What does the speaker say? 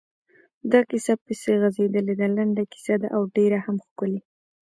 دا کیسه پسې غځېدلې ده، لنډه کیسه ده او ډېره هم ښکلې…